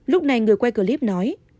lúc này người quay clip nói